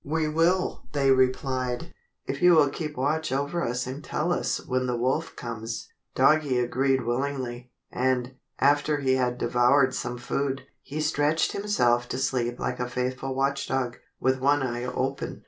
"We will," they replied, "if you will keep watch over us and tell us when the wolf comes." Doggie agreed willingly, and, after he had devoured some food, he stretched himself to sleep like a faithful watch dog, with one eye open.